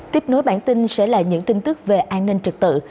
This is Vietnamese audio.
tiếp nối bản tin sẽ là những tin tức về an ninh trực tự